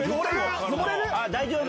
大丈夫？